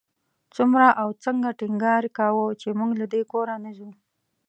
څومره او څنګه ټینګار کاوه چې موږ له دې کوره نه ځو.